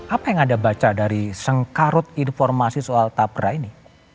apa yang anda baca dari sengkarut informasi soal tapra ini